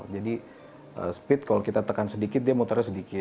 jadi speed kalau kita tekan sedikit dia mutarnya sedikit